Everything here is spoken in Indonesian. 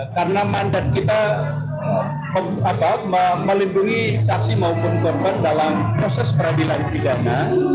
karena mandat kita melindungi saksi maupun korban dalam proses peradilan pidana